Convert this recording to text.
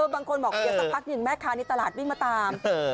บางคนบอกเดี๋ยวสักพักหนึ่งแม่ค้าในตลาดวิ่งมาตาม